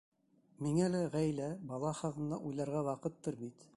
Миңә лә ғаилә, бала хаҡында уйларға ваҡыттыр бит.